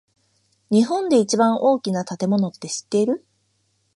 日本で一番大きな建物って知ってる？